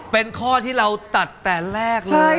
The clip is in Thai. เป็นข้อที่เราตัดแต่แรกเลย